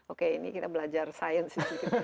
oke ini kita belajar sains sedikit